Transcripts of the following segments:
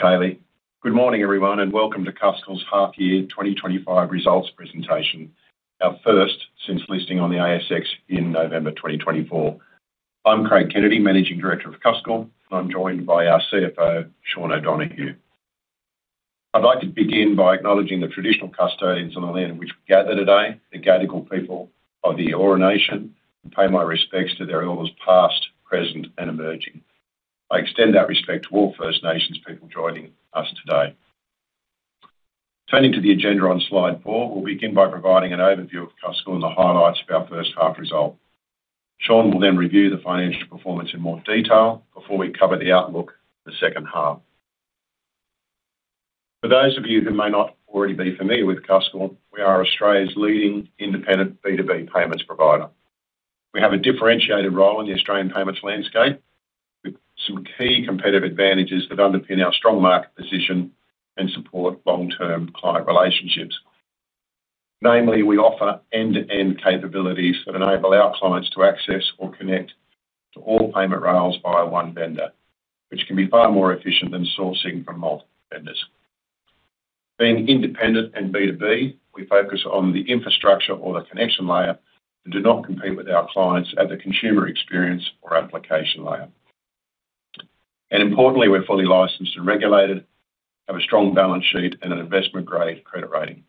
Thanks, Kylie. Good morning, everyone, and welcome to Cuscal's half-year 2025 results presentation, our first since listing on the ASX in November 2024. I'm Craig Kennedy, Managing Director of Cuscal, and I'm joined by our CFO, Sean O'Donoghue. I'd like to begin by acknowledging the traditional custodians of the land on which we gather today, the Gadigal people of the Eora Nation. I pay my respects to their elders past, present, and emerging. I extend that respect to all First Nations people joining us today. Turning to the agenda on slide four, we'll begin by providing an overview of Cuscal and the highlights of our first half result. Sean will then review the financial performance in more detail before we cover the outlook for the second half. For those of you who may not already be familiar with Cuscal, we are Australia's leading independent B2B payments provider. We have a differentiated role in the Australian payments landscape with some key competitive advantages that underpin our strong market position and support long-term client relationships. Namely, we offer end-to-end capabilities that enable our clients to access or connect to all payment rails via one vendor, which can be far more efficient than sourcing from multiple vendors. Being independent and B2B, we focus on the infrastructure or the connection layer and do not compete with our clients at the consumer experience or application layer. Importantly, we're fully licensed and regulated, have a strong balance sheet, and an investment-grade credit rating.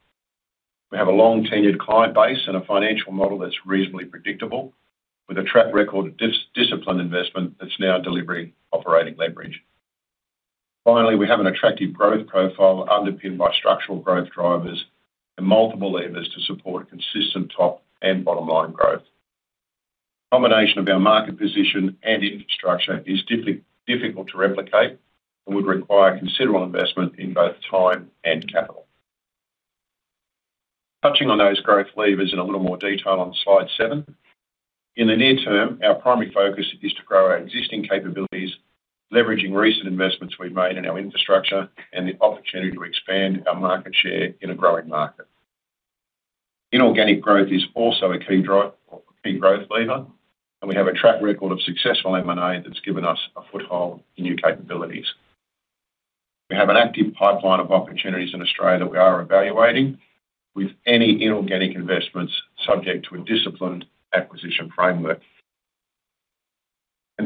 We have a long-tenured client base and a financial model that's reasonably predictable, with a track record of disciplined investment that's now delivering operating leverage. We have an attractive growth profile underpinned by structural industry growth drivers and multiple levers to support consistent top and bottom line growth. A combination of our market position and infrastructure is difficult to replicate and would require considerable investment in both time and capital. Touching on those growth levers in a little more detail on slide seven, in the near term, our primary focus is to grow our existing capabilities, leveraging recent investments we've made in our infrastructure and the opportunity to expand our market share in a growing market. Inorganic growth is also a key growth lever, and we have a track record of successful M&A that's given us a foothold in new capabilities. We have an active pipeline of opportunities in Australia we are evaluating, with any inorganic investments subject to a disciplined acquisition framework.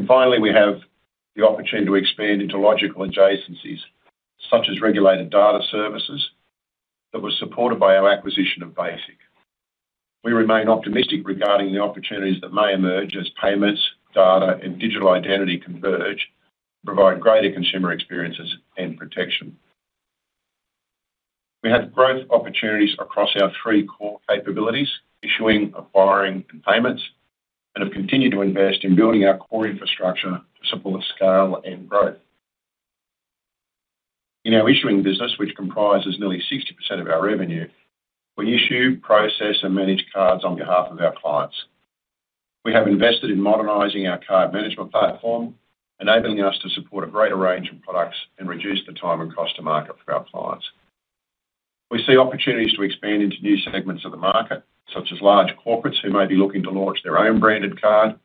Finally, we have the opportunity to expand into logical adjacencies, such as regulated data services that were supported by our acquisition of Basiq. We remain optimistic regarding the opportunities that may emerge as payments, data, and digital identity converge to provide greater consumer experiences and protection. We have growth opportunities across our three core capabilities: issuing, acquiring, and payments, and have continued to invest in building our core infrastructure to support scale and growth. In our issuing business, which comprises nearly 60% of our revenue, we issue, process, and manage cards on behalf of our clients. We have invested in modernizing our card management platform, enabling us to support a greater range of products and reduce the time and cost to market for our clients. We see opportunities to expand into new segments of the market, such as large corporates who may be looking to launch their own branded card,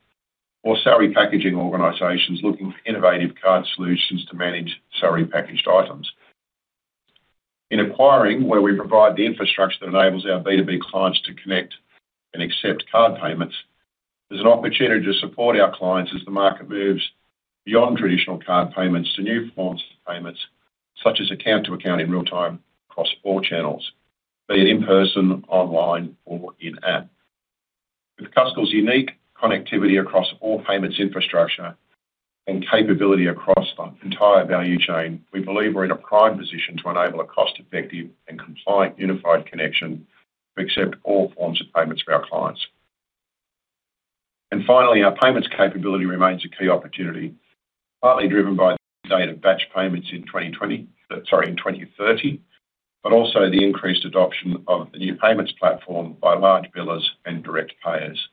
or salary packaging organizations looking for innovative card solutions to manage salary packaged items. In acquiring, where we provide the infrastructure that enables our B2B clients to connect and accept card payments, there's an opportunity to support our clients as the market moves beyond traditional card payments to new forms of payments, such as account to account in real time across all channels, be it in-person, online, or in-app. With Cuscal's unique connectivity across all payments infrastructure and capability across the entire value chain, we believe we're in a prime position to enable a cost-effective and compliant unified connection to accept all forms of payments for our clients. Finally, our payments capability remains a key opportunity, partly driven by the state of batch payments in 2020, sorry, in 2030, but also the increased adoption of the new payments platform by large billers and direct payers.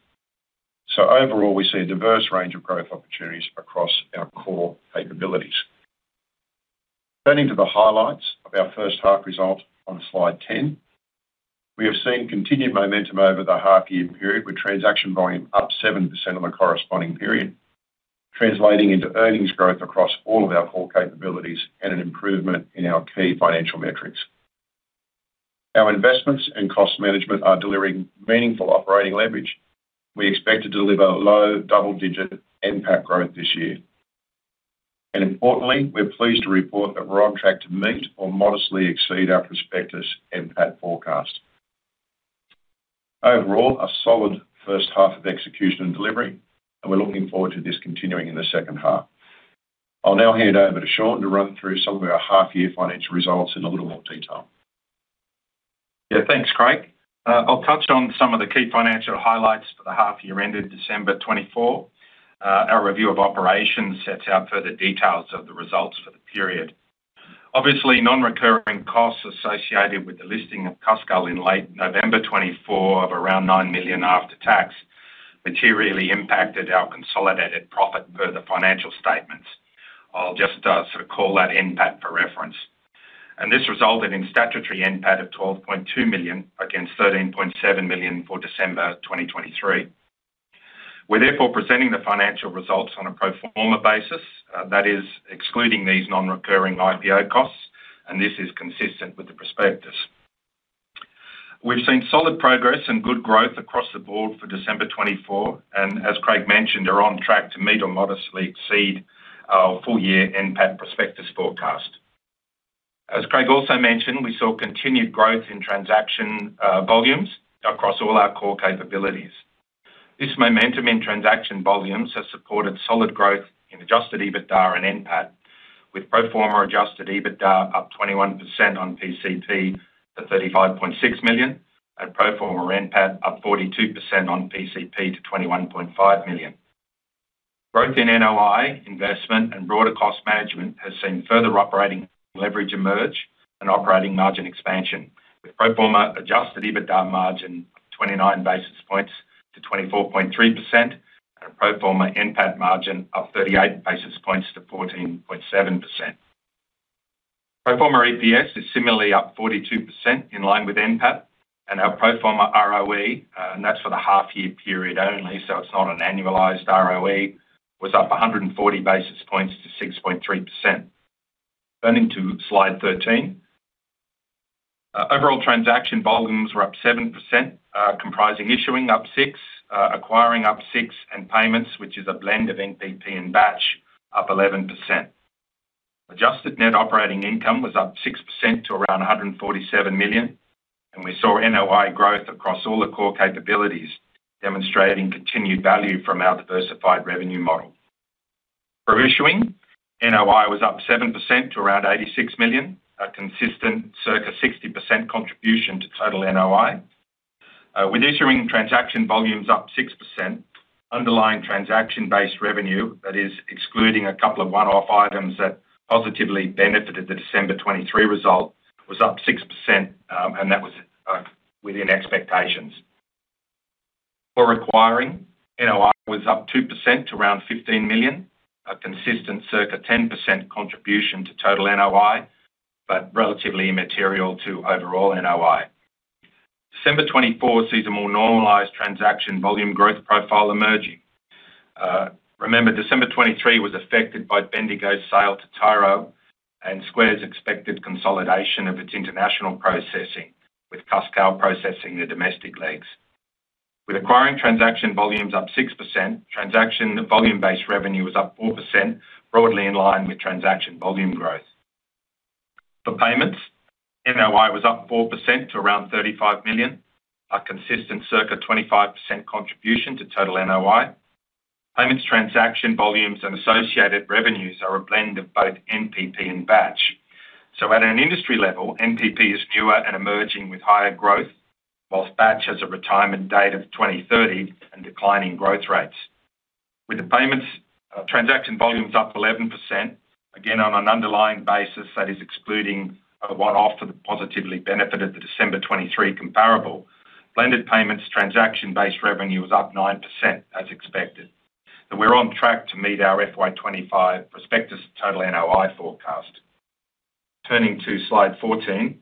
Overall, we see a diverse range of growth opportunities across our core capabilities. Turning to the highlights of our first half result on slide 10, we have seen continued momentum over the half-year period, with transaction volume up 70% on the corresponding period, translating into earnings growth across all of our core capabilities and an improvement in our key financial metrics. Our investments and cost management are delivering meaningful operating leverage. We expect to deliver low double-digit NPAT growth this year. Importantly, we're pleased to report that we're on track to meet or modestly exceed our prospectus NPAT forecast. Overall, a solid first half of execution and delivery, and we're looking forward to this continuing in the second half. I'll now hand over to Sean to run through some of our half-year financial results in a little more detail. Yeah, thanks, Craig. I'll touch on some of the key financial highlights for the half-year ended December 2024. Our review of operations sets out further details of the results for the period. Obviously, non-recurring costs associated with the listing of Cuscal in late November 2024 of around 9 million after tax materially impacted our consolidated profit per the financial statements. I'll just sort of call that NPAT for reference. This resulted in statutory NPAT of 12.2 million against 13.7 million for December 2023. We're therefore presenting the financial results on a pro forma basis, that is, excluding these non-recurring IPO costs, and this is consistent with the prospectus. We've seen solid progress and good growth across the board for December 2024, and as Craig mentioned, are on track to meet or modestly exceed our full-year NPAT prospectus forecast. As Craig also mentioned, we saw continued growth in transaction volumes across all our core capabilities. This momentum in transaction volumes has supported solid growth in adjusted EBITDA and NPAT, with pro forma adjusted EBITDA up 21% on PCP to 35.6 million and pro forma NPAT up 42% on PCP to 21.5 million. Growth in NOI, investment, and broader cost management has seen further operating leverage emerge and operating margin expansion, with pro forma adjusted EBITDA margin up 29 basis points to 24.3% and a pro forma NPAT margin up 38 basis points to 14.7%. Pro forma EPS is similarly up 42% in line with NPAT, and our pro forma ROE, and that's for the half-year period only, so it's not an annualized ROE, was up 140 basis points to 6.3%. Turning to slide 13, overall transaction volumes were up 7%, comprising issuing up 6%, acquiring up 6%, and payments, which is a blend of NPP and batch, up 11%. Adjusted net operating income was up 6% to around 147 million, and we saw NOI growth across all the core capabilities, demonstrating continued value from our diversified revenue model. For issuing, NOI was up 7% to around 86 million, a consistent circa 60% contribution to total NOI. With issuing transaction volumes up 6%, underlying transaction-based revenue, that is, excluding a couple of one-off items that positively benefited the December 2023 result, was up 6%, and that was within expectations. For acquiring, NOI was up 2% to around 15 million, a consistent circa 10% contribution to total NOI, but relatively immaterial to overall NOI. December 2024 sees a more normalized transaction volume growth profile emerging. Remember, December 2023 was affected by Bendigo's sale to Tyro and Square's expected consolidation of its international processing, with Cuscal processing the domestic legs. With acquiring transaction volumes up 6%, transaction volume-based revenue was up 4%, broadly in line with transaction volume growth. For payments, NOI was up 4% to around 35 million, a consistent circa 25% contribution to total NOI. Payments transaction volumes and associated revenues are a blend of both NPP and batch. At an industry level, NPP is newer and emerging with higher growth, whilst batch has a retirement date of 2030 and declining growth rates. With the payments transaction volumes up 11%, again on an underlying basis that is excluding a one-off that positively benefited the December 2023 comparable, blended payments transaction-based revenue was up 9% as expected. We're on track to meet our FY 2025 prospectus total NOI forecast. Turning to slide 14,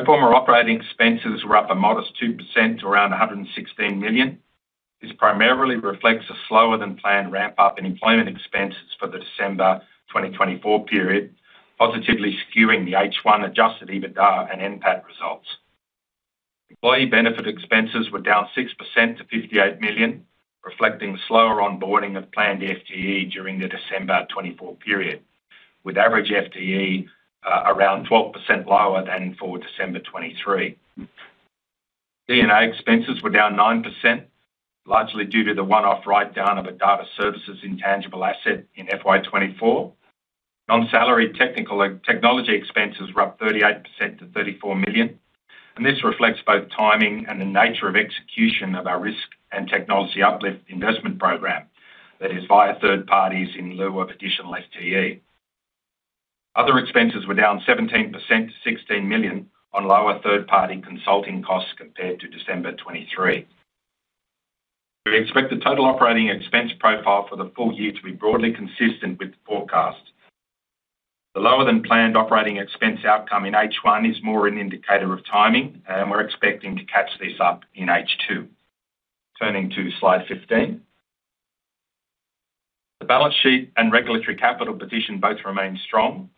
pro forma operating expenses were up a modest 2% to around 116 million. This primarily reflects a slower than planned ramp-up in employment expenses for the December 2024 period, positively skewing the H1 adjusted EBITDA and NPAT results. Employee benefit expenses were down 6% to 58 million, reflecting slower onboarding of planned FTE during the December 2024 period, with average FTE around 12% lower than for December 2023. D&A expenses were down 9%, largely due to the one-off write-down of a data services intangible asset in FY 2024. Non-salary technology expenses were up 38% to 34 million, and this reflects both timing and the nature of execution of our risk and technology uplift investment program, that is via third parties in lieu of additional FTE. Other expenses were down 17% to 16 million on lower third-party consulting costs compared to December 2023. We'd expect the total operating expense profile for the full year to be broadly consistent with the forecast. The lower than planned operating expense outcome in H1 is more an indicator of timing, and we're expecting to catch this up in H2. Turning to slide 15, the balance sheet and regulatory capital position both remain strong.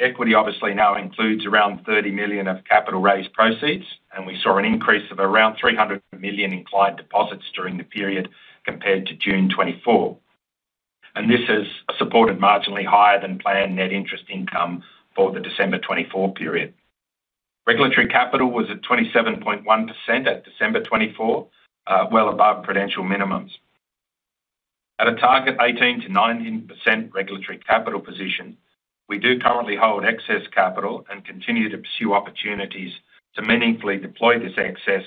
Equity obviously now includes around 30 million of capital raised proceeds, and we saw an increase of around 300 million in client deposits during the period compared to June 2024. This has supported marginally higher than planned net interest income for the December 2024 period. Regulatory capital was at 27.1% at December 2024, well above prudent minimums. At a target 18%-19% regulatory capital position, we do currently hold excess capital and continue to pursue opportunities to meaningfully deploy this excess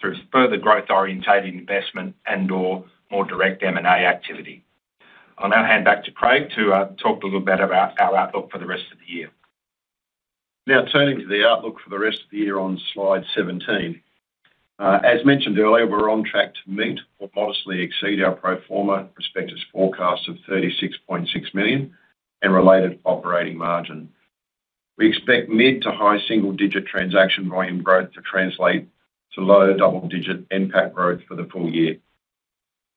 through further growth-orientated investment and/or more direct M&A activity. I'll now hand back to Craig to talk a little bit about our outlook for the rest of the year. Now turning to the outlook for the rest of the year on slide 17. As mentioned earlier, we're on track to meet or modestly exceed our pro forma prospectus forecast of 36.6 million and related operating margin. We expect mid to high single-digit transaction volume growth to translate to low double-digit NPAT growth for the full year.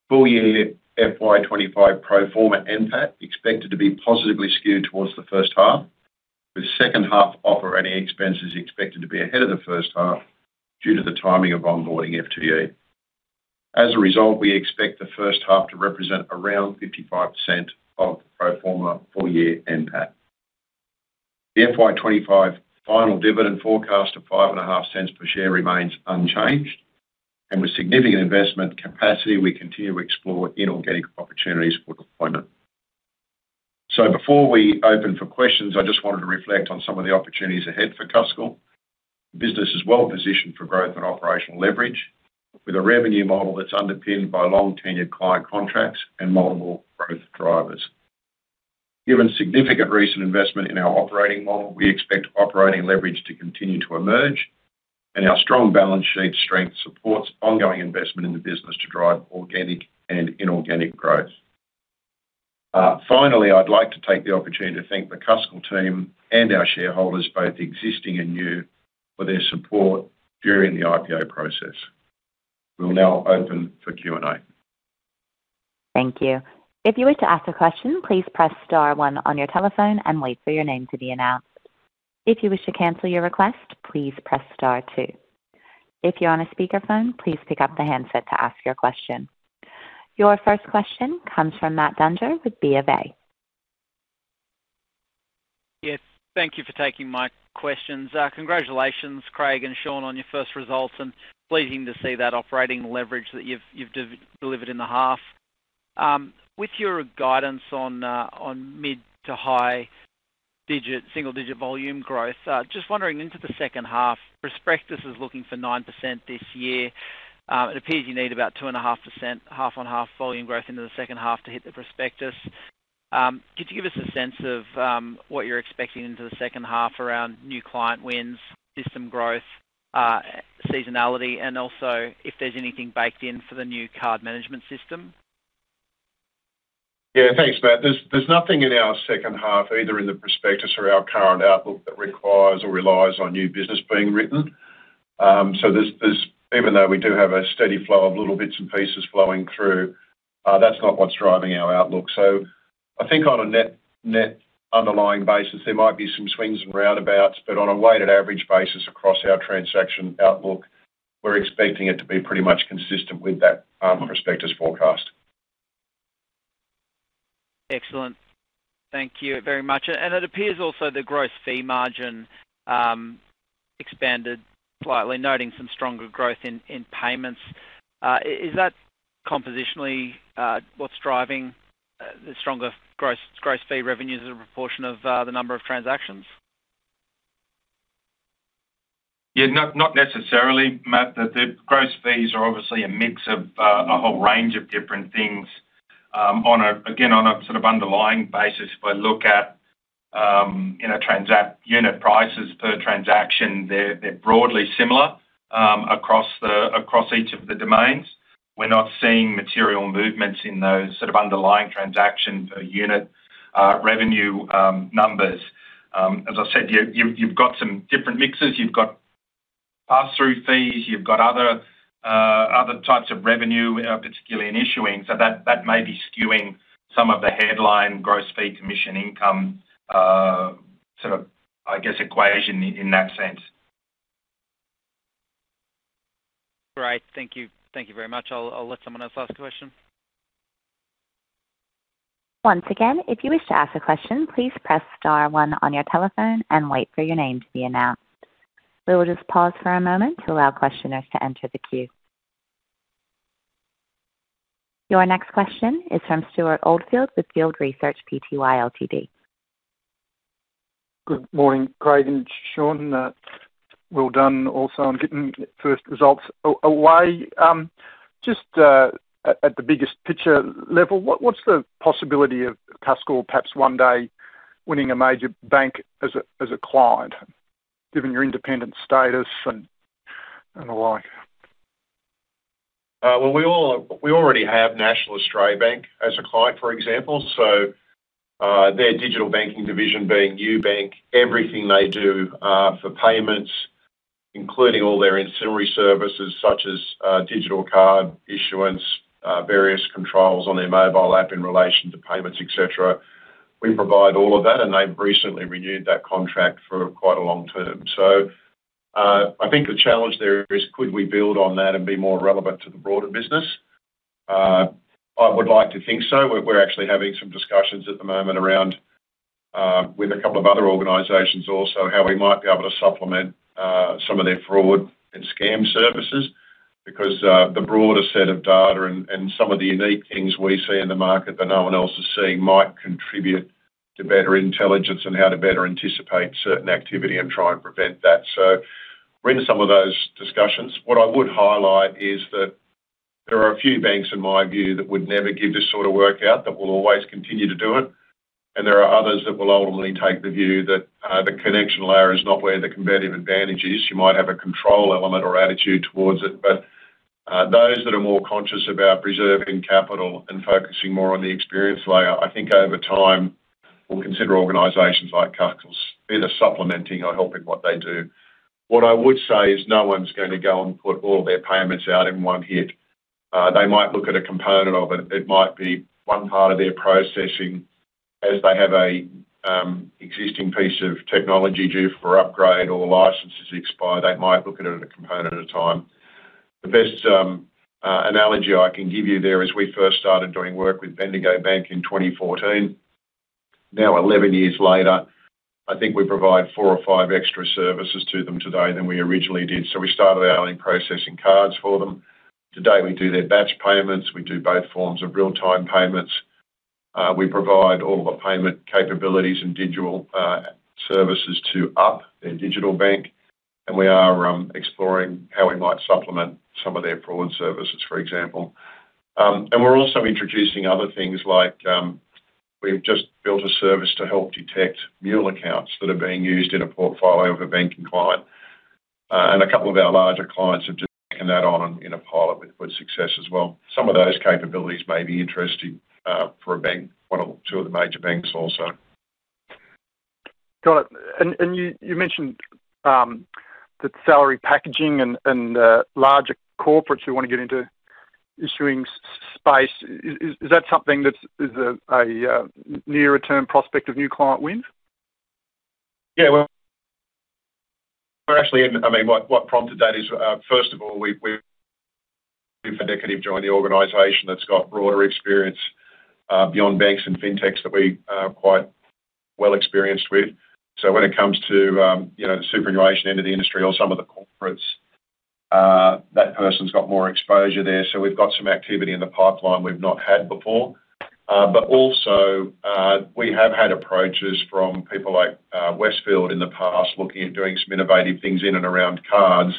Full-year FY 2025 pro forma NPAT expected to be positively skewed towards the first half, with second half operating expenses expected to be ahead of the first half due to the timing of onboarding FTE. As a result, we expect the first half to represent around 55% of pro forma full-year NPAT. The FY 2025 final dividend forecast of 0.055 per share remains unchanged, and with significant investment capacity, we continue to explore inorganic opportunities for deployment. Before we open for questions, I just wanted to reflect on some of the opportunities ahead for Cuscal. The business is well positioned for growth and operating leverage, with a revenue model that's underpinned by long-tenured client contracts and multiple growth drivers. Given significant recent investment in our operating model, we expect operating leverage to continue to emerge, and our strong balance sheet strength supports ongoing investment in the business to drive organic and inorganic growth. Finally, I'd like to take the opportunity to thank the Cuscal team and our shareholders, both existing and new, for their support during the IPO process. We will now open for Q&A. Thank you. If you wish to ask a question, please press star one on your telephone and wait for your name to be announced. If you wish to cancel your request, please press star two. If you're on a speaker phone, please pick up the handset to ask your question. Your first question comes from Matt Dunger with B of A. Yes, thank you for taking my questions. Congratulations, Craig and Sean, on your first results and pleasing to see that operating leverage that you've delivered in the half. With your guidance on mid to high single-digit volume growth, just wondering into the second half, prospectus is looking for 9% this year. It appears you need about 2.5% half-on-half volume growth into the second half to hit the prospectus. Could you give us a sense of what you're expecting into the second half around new client wins, system growth, seasonality, and also if there's anything baked in for the new card management system? Thanks, Matt. There's nothing in our second half, either in the prospectus or our current outlook, that requires or relies on new business being written. We do have a steady flow of little bits and pieces flowing through. That's not what's driving our outlook. I think on a net underlying basis, there might be some swings and roundabouts, but on a weighted average basis across our transaction outlook, we're expecting it to be pretty much consistent with that prospectus forecast. Excellent. Thank you very much. It appears also the gross fee margin expanded slightly, noting some stronger growth in payments. Is that compositionally what's driving the stronger gross fee revenues as a proportion of the number of transactions? Yeah, not necessarily, Matt. The gross fees are obviously a mix of a whole range of different things. Again, on a sort of underlying basis, if I look at unit prices per transaction, they're broadly similar across each of the domains. We're not seeing material movements in those sort of underlying transactions per unit revenue numbers. As I said, you've got some different mixes. You've got pass-through fees, you've got other types of revenue, particularly in issuing. That may be skewing some of the headline gross fee commission income, sort of I guess equation in that sense. Great, thank you. Thank you very much. I'll let someone else ask a question. Once again, if you wish to ask a question, please press star one on your telephone and wait for your name to be announced. We will just pause for a moment to allow questioners to enter the queue. Your next question is from Stewart Oldfield with Field Research PTY Ltd. Good morning, Craig and Sean. Well done also on getting first results away. Just at the biggest picture level, what's the possibility of Cuscal perhaps one day winning a major bank as a client, given your independent status and the like? We already have National Australia Bank as a client, for example. Their digital banking division [being New Bank], everything they do for payments, including all their ancillary services such as digital card issuance, various controls on their mobile app in relation to payments, etc. We provide all of that, and they've recently renewed that contract for quite a long time. I think the challenge there is, could we build on that and be more relevant to the broader business? I would like to think so. We're actually having some discussions at the moment with a couple of other organizations also, how we might be able to supplement some of their fraud and scam services because the broader set of data and some of the unique things we see in the market that no one else is seeing might contribute to better intelligence and how to better anticipate certain activity and try and prevent that. We are in some of those discussions. What I would highlight is that there are a few banks in my view that would never give this sort of work out, that will always continue to do it. There are others that will ultimately take the view that the connection layer is not where the competitive advantage is. You might have a control element or attitude towards it. Those that are more conscious about preserving capital and focusing more on the experience layer, I think over time will consider organizations like Cuscal either supplementing or helping what they do. What I would say is no one's going to go and put all their payments out in one hit. They might look at a component of it. It might be one part of their processing as they have an existing piece of technology due for upgrade or licenses expired. They might look at it as a component at a time. The best analogy I can give you there is we first started doing work with Bendigo Bank in 2014. Now, 11 years later, I think we provide four or five extra services to them today than we originally did. We started out only processing cards for them. Today we do their batch payments. We do both forms of real-time payments. We provide all the payment capabilities and digital services to up their digital bank. We are exploring how we might supplement some of their fraud services, for example. We're also introducing other things like we've just built a service to help detect mule accounts that are being used in a portfolio of a banking client. A couple of our larger clients have taken that on in a pilot with good success as well. Some of those capabilities may be interesting for a bank, one or two of the major banks also. Got it. You mentioned the salary packaging and larger corporates who want to get into the issuing space. Is that something that is a nearer term prospect of new client wins? What prompted that is, first of all, we're looking for an executive joining the organization that's got broader experience beyond banks and fintechs that we are quite well experienced with. When it comes to superannuation into the industry or some of the corporates, that person's got more exposure there. We've got some activity in the pipeline we've not had before. We have had approaches from people like Westfield in the past looking at doing some innovative things in and around cards.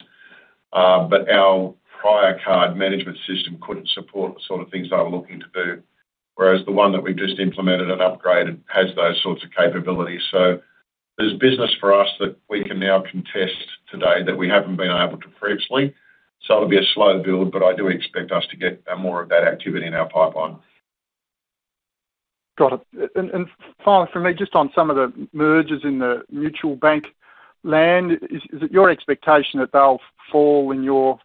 Our prior card management system couldn't support the sort of things I'm looking to do, whereas the one that we've just implemented and upgraded has those sorts of capabilities. There's business for us that we can now contest today that we haven't been able to propose. It'll be a slow build, but I do expect us to get more of that activity in our pipeline. Got it. Finally, for me, just on some of the mergers in the mutual bank land, is it your expectation that they'll fall in your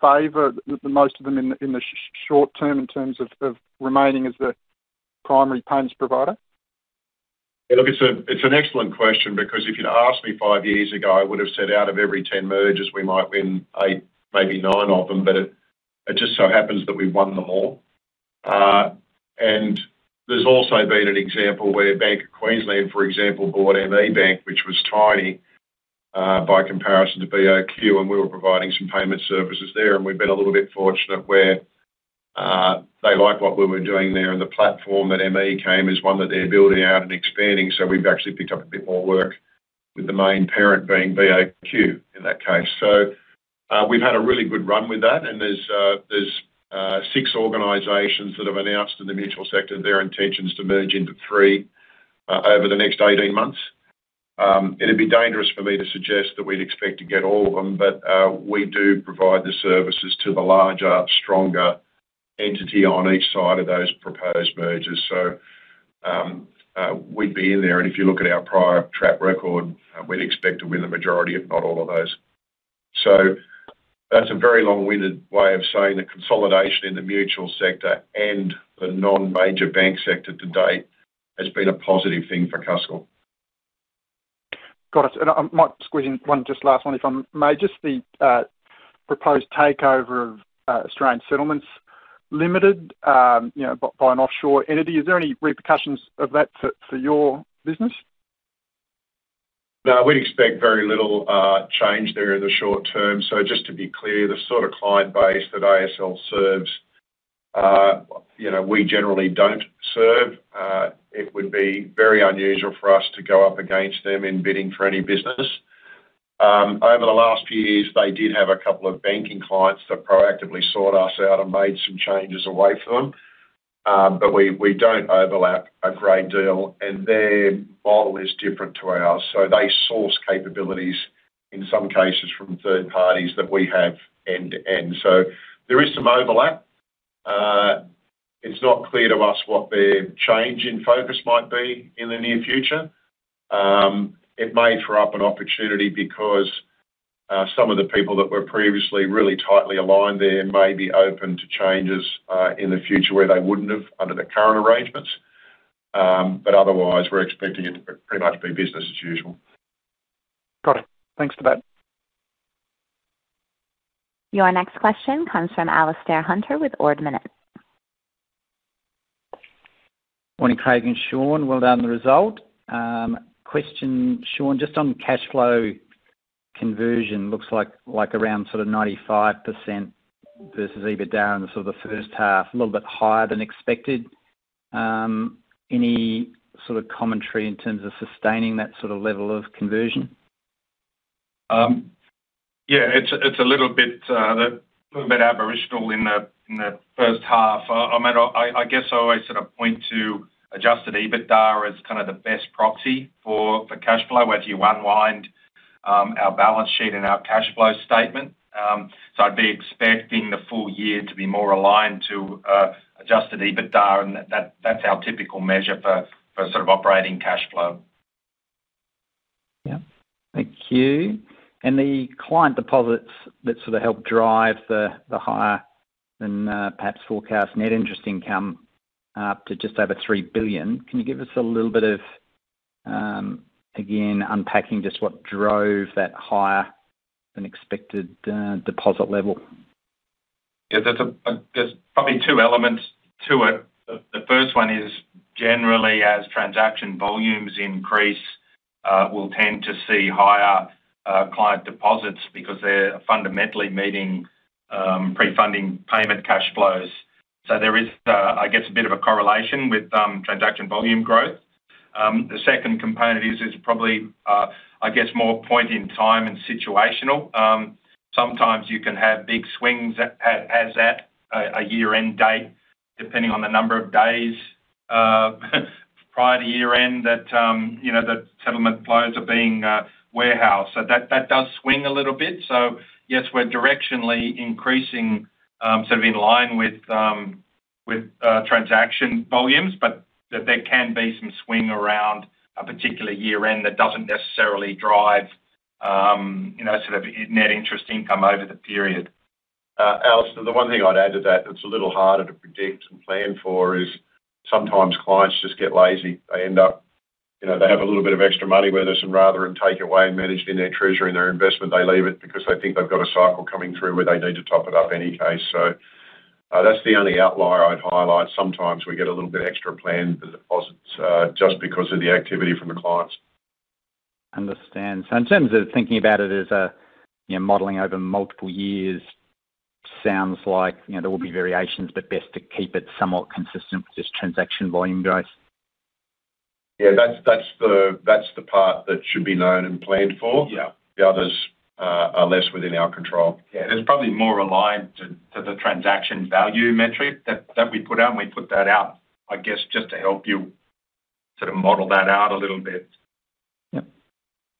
favor, most of them in the short term in terms of remaining as the primary payments provider? Yeah, look, it's an excellent question because if you'd asked me five years ago, I would have said out of every 10 mergers, we might win eight, maybe nine of them. It just so happens that we won them all. There's also been an example where Bank of Queensland, for example, bought ME Bank, which was tiny by comparison to BOQ, and we were providing some payment services there. We've been a little bit fortunate where they liked what we were doing there. The platform that ME came is one that they're building out and expanding. We've actually picked up a bit more work with the main parent being BOQ in that case. We've had a really good run with that. There are six organizations that have announced in the mutual sector their intentions to merge into three over the next 18 months. It'd be dangerous for me to suggest that we'd expect to get all of them, but we do provide the services to the larger, stronger entity on each side of those proposed mergers. We'd be in there. If you look at our prior track record, we'd expect to win the majority if not all of those. That's a very long-winded way of saying that consolidation in the mutual sector and the non-major bank sector to date has been a positive thing for Cuscal. Got it. I might squeeze in just one last one, if I may. Just the proposed takeover of Australian Settlements Limited, you know, by an offshore entity. Is there any repercussions of that for your business? No, we'd expect very little change there in the short term. Just to be clear, the sort of client base that ASL serves, you know, we generally don't serve. It would be very unusual for us to go up against them in bidding for any business. Over the last few years, they did have a couple of banking clients that proactively sought us out and made some changes away from them. We don't overlap a great deal, and their model is different to ours. They source capabilities in some cases from third parties that we have end-to-end. There is some overlap. It's not clear to us what their change in focus might be in the near future. It may throw up an opportunity because some of the people that were previously really tightly aligned there may be open to changes in the future where they wouldn't have under the current arrangements. Otherwise, we're expecting it to pretty much be business as usual. Got it. Thanks for that. Your next question comes from Alastair Hunter with Ord Minnett. Morning, Craig and Sean. Well done on the result. Question, Sean, just on cash flow conversion, looks like around sort of 95% versus EBITDA in the sort of the first half, a little bit higher than expected. Any sort of commentary in terms of sustaining that sort of level of conversion? Yeah, it's a little bit arbitrary in the first half. I mean, I guess I always sort of point to adjusted EBITDA as kind of the best proxy for cash flow, whether you unwind our balance sheet and our cash flow statement. I'd be expecting the full year to be more aligned to adjusted EBITDA, and that's our typical measure for sort of operating cash flow. Thank you. The client deposits that sort of help drive the higher than perhaps forecast net interest income up to just over 3 billion. Can you give us a little bit of, again, unpacking just what drove that higher than expected deposit level? Yeah, there's probably two elements to it. The first one is generally, as transaction volumes increase, we'll tend to see higher client deposits because they're fundamentally meeting pre-funding payment cash flows. There is, I guess, a bit of a correlation with transaction volume growth. The second component is probably, I guess, more point in time and situational. Sometimes you can have big swings as at a year-end date, depending on the number of days prior to year-end that the settlement flows are being warehoused. That does swing a little bit. Yes, we're directionally increasing sort of in line with transaction volumes, but there can be some swing around a particular year-end that doesn't necessarily drive net interest income over the period. Alastair, the one thing I'd add to that that's a little harder to predict and plan for is sometimes clients just get lazy. They end up, you know, they have a little bit of extra money with us, and rather than take it away and manage it in their treasury and their investment, they leave it because they think they've got a cycle coming through where they need to top it up in any case. That's the only outlier I'd highlight. Sometimes we get a little bit extra planned for the deposits just because of the activity from the clients. In terms of thinking about it as modeling over multiple years, it sounds like there will be variations, but best to keep it somewhat consistent with just transaction volume growth. That's the part that should be known and planned for. The others are less within our control. There's probably more aligned to the transaction value metric that we put out, and we put that out just to help you sort of model that out a little bit.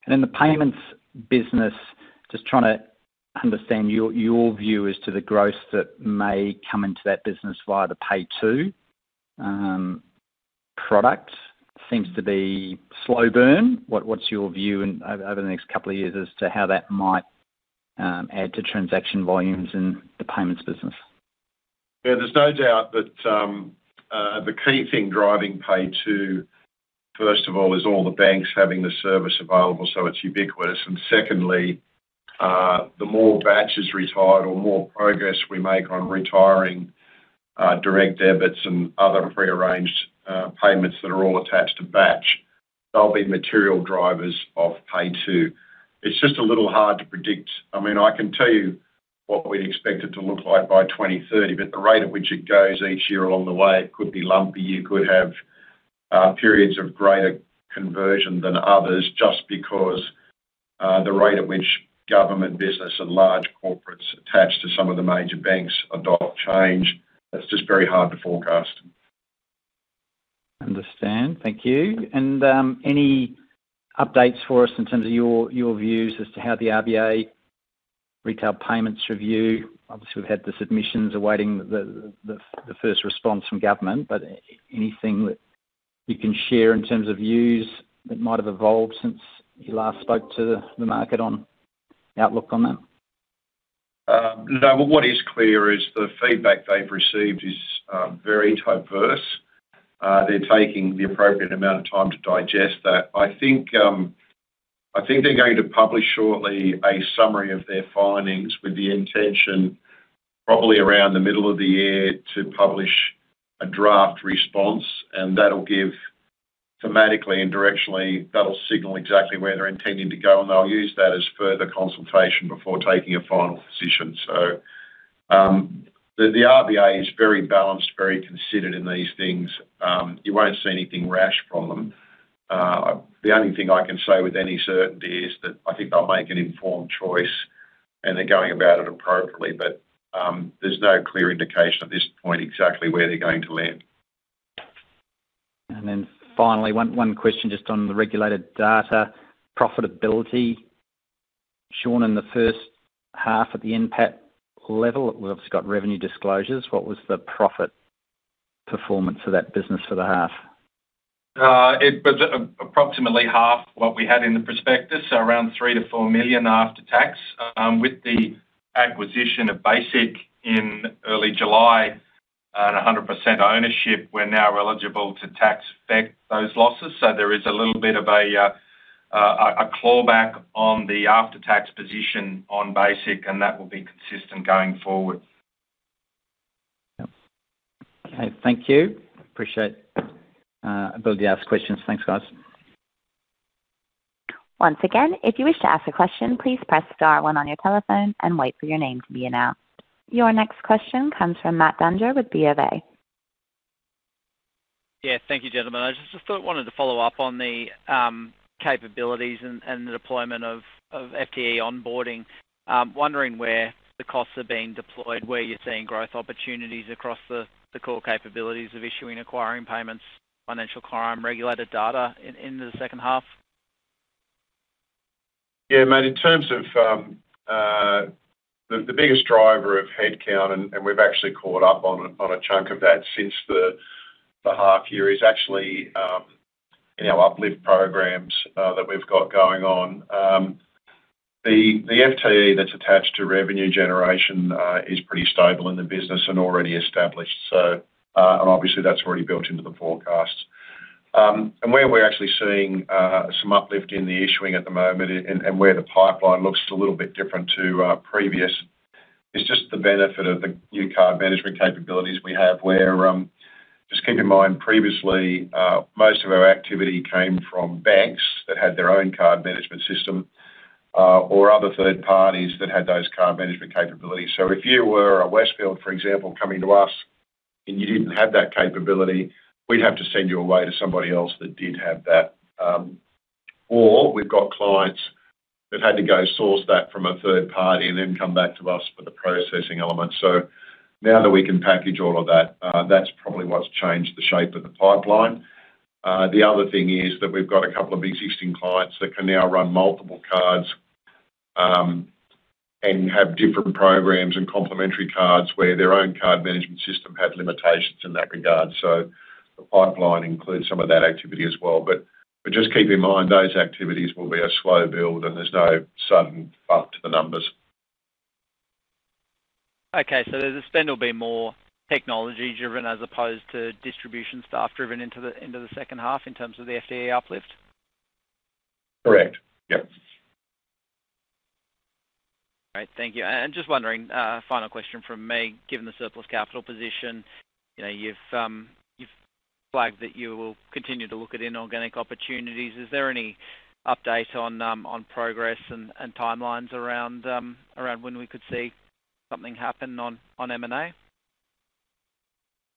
In the payments business, just trying to understand your view as to the growth that may come into that business via the PayTo product seems to be slow burn. What's your view over the next couple of years as to how that might add to transaction volumes in the payments business? Yeah, there's no doubt that the key thing driving PayTo first of all is all the banks having the service available, so it's ubiquitous. Secondly, the more batch is retired or the more progress we make on retiring direct debits and other prearranged payments that are all attached to batch, there'll be material drivers of PayTo. It's just a little hard to predict. I mean, I can tell you what we expect it to look like by 2030, but the rate at which it goes each year along the way, it could be lumpy. You could have periods of greater conversion than others just because the rate at which government, business, and large corporates attached to some of the major banks adopt change, it's just very hard to forecast. Thank you. Any updates for us in terms of your views as to how the RBA retail payments review? Obviously, we've had this admissions awaiting the first response from government, but anything that you can share in terms of views that might have evolved since you last spoke to the market on the outlook on that? No, what is clear is the feedback they've received is very diverse. They're taking the appropriate amount of time to digest that. I think they're going to publish shortly a summary of their findings with the intention probably around the middle of the year to publish a draft response, and that'll give thematically and directionally, that'll signal exactly where they're intending to go, and they'll use that as further consultation before taking a final position. The RBA is very balanced, very considerate in these things. You won't see anything rash from them. The only thing I can say with any certainty is that I think they'll make an informed choice, and they're going about it appropriately, but there's no clear indication at this point exactly where they're going to land. Finally, one question just on the regulated data, profitability. Sean, in the first half at the NPAT level, we've obviously got revenue disclosures. What was the profit performance of that business for the half? It was approximately half what we had in the prospectus, so around 3 million-4 million after tax. With the acquisition of Basiq in early July and 100% ownership, we're now eligible to tax-back those losses. There is a little bit of a clawback on the after-tax position on Basiq, and that will be consistent going forward. Okay, thank you. Appreciate the ability to ask questions. Thanks, guys. Once again, if you wish to ask a question, please press star one on your telephone and wait for your name to be announced. Your next question comes from Matt Dunger with B of A. Thank you, gentlemen. I just thought I wanted to follow up on the capabilities and the deployment of FTE onboarding. I'm wondering where the costs are being deployed, where you're seeing growth opportunities across the core capabilities of issuing, acquiring payments, financial crime, regulated data in the second half. Yeah, in terms of the biggest driver of headcount, and we've actually caught up on a chunk of that since the half year, it's actually in our uplift programs that we've got going on. The FTE that's attached to revenue generation is pretty stable in the business and already established. That's already built into the forecast. Where we're actually seeing some uplift in the issuing at the moment and where the pipeline looks a little bit different to previous is just the benefit of the new card management capabilities we have. Just keep in mind previously most of our activity came from banks that had their own card management system or other third parties that had those card management capabilities. If you were a Westfield, for example, coming to us and you didn't have that capability, we'd have to send you away to somebody else that did have that. We've got clients who've had to go source that from a third party and then come back to us with the processing element. Now that we can package all of that, that's probably what's changed the shape of the pipeline. The other thing is that we've got a couple of existing clients that can now run multiple cards and have different programs and complementary cards where their own card management system had limitations in that regard. The pipeline includes some of that activity as well. Just keep in mind those activities will be a slow build and there's no sudden bump to the numbers. Okay, so the spend will be more technology-driven as opposed to distribution staff-driven into the second half in terms of the FTE uplift? Correct. Yep. Great, thank you. Just wondering, final question from me, given the surplus capital position, you've flagged that you will continue to look at inorganic opportunities. Is there any update on progress and timelines around when we could see something happen on M&A?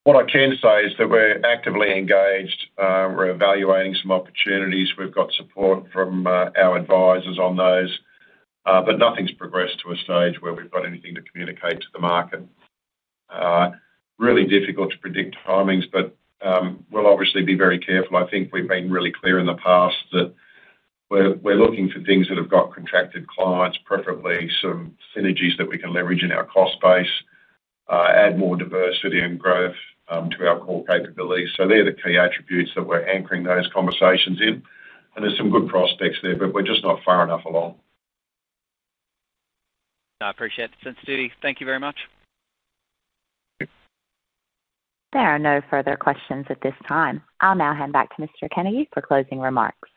What I can say is that we're actively engaged. We're evaluating some opportunities. We've got support from our advisors on those, but nothing's progressed to a stage where we've got anything to communicate to the market. It's really difficult to predict timings, but we'll obviously be very careful. I think we've been really clear in the past that we're looking for things that have got contracted clients, preferably some synergies that we can leverage in our cost base, add more diversity and growth to our core capabilities. They're the key attributes that we're anchoring those conversations in. There's some good prospects there, but we're just not far enough along. I appreciate [sincerely]. Thank you very much. There are no further questions at this time. I'll now hand back to Mr. Kennedy for closing remarks.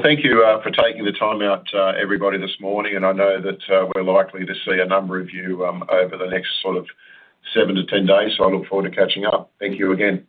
Thank you for taking the time out, everybody, this morning. I know that we're likely to see a number of you over the next 7-10 days, so I look forward to catching up. Thank you again.